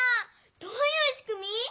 どういうしくみ？